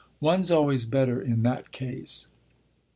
"One's always better in that case."